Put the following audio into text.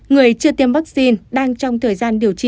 người chưa tiêm vaccine đang trong thời gian điều trị